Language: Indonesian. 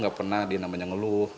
gak pernah di namanya ngeluh